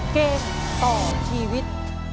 เกมต่อชีวิต